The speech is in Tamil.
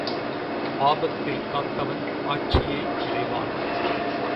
ஆபத்தில் காத்தவன் ஆட்சியை அடைவான்.